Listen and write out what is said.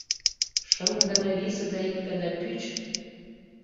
Шым гана висе да ик гана пӱч!